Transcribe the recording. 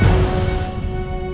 ya udah mbak